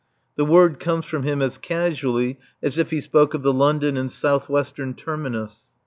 The word comes from him as casually as if he spoke of the London and South Western terminus.